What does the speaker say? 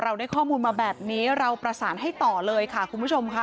ได้ข้อมูลมาแบบนี้เราประสานให้ต่อเลยค่ะคุณผู้ชมค่ะ